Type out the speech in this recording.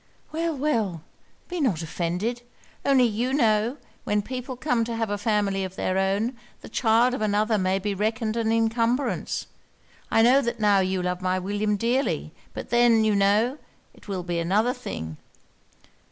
'Well! well! be not offended. Only you know, when people come to have a family of their own, the child of another may be reckoned an incumbrance. I know that now you love my William dearly; but then, you know, it will be another thing.'